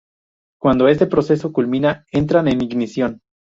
Cuando este proceso culmina, entran en ignición.